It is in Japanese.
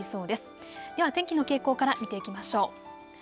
では天気の傾向から見ていきましょう。